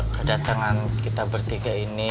kedatangan kita bertiga ini